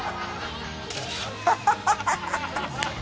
ハハハハハ！